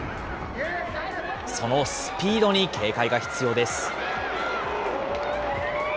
そのスピードに警戒が必要です。